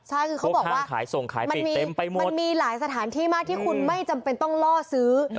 ใช่คือเขาบอกว่ามันมีหลายสถานที่มากที่คุณไม่จำเป็นต้องล่อซื้อ